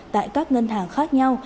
tại các ngân hàng khác nhau